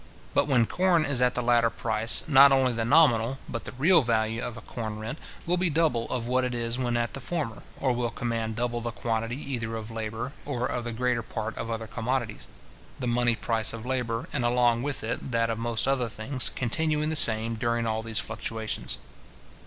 But when corn is at the latter price, not only the nominal, but the real value of a corn rent, will be double of what it is when at the former, or will command double the quantity either of labour, or of the greater part of other commodities; the money price of labour, and along with it that of most other things, continuing the same during all these fluctuations.